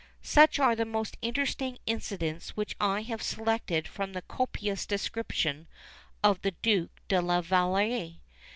Such are the most interesting incidents which I have selected from the copious description of the Duke de la Vallière.